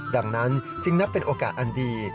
ดังนั้นจึงนับเป็นโอกาสอันดี